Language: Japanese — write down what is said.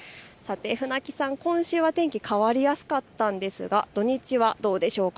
さて船木さん、今週は天気変わりやすかったんですが土日はどうでしょうか。